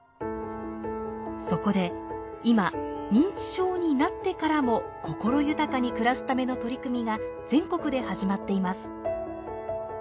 そこで今認知症になってからも心豊かに暮らすための取り組みが全国で始まっています。